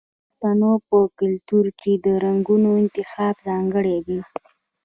د پښتنو په کلتور کې د رنګونو انتخاب ځانګړی دی.